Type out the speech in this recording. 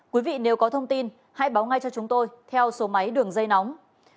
quý vị nếu có thông tin hãy báo ngay cho chúng tôi theo số máy đường dây nóng